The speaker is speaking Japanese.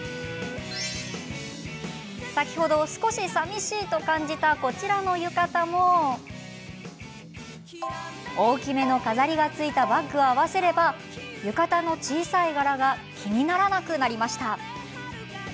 先ほど、少し寂しいと感じたこちらの浴衣も大きめの飾りがついたバッグを合わせれば浴衣の小さい柄が気にならなくなりました。